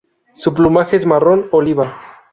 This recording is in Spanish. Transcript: Su plumaje es marrón oliva.